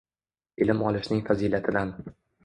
Ilm olishning fazilatidan